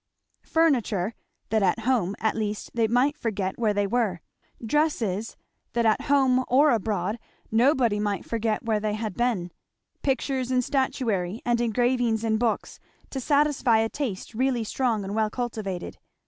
Furniture, that at home at least they might forget where they were; dresses, that at home or abroad nobody might forget where they had been; pictures and statuary and engravings and books, to satisfy a taste really strong and well cultivated.